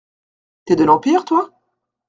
T'es de l'Empire, toi ?